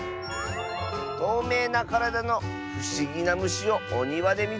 「とうめいなからだのふしぎなむしをおにわでみつけた！」。